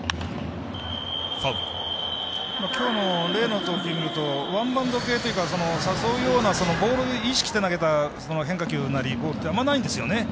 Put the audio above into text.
きょうのレイの投球見るとワンバウンド系というか誘うようなボール意識して投げた変化球なりボールというのはあんまりないんですよね。